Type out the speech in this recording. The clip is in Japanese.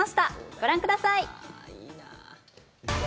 ご覧ください。